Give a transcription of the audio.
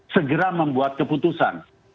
segera membuat keputusan